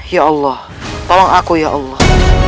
ya allah tolong aku ya allah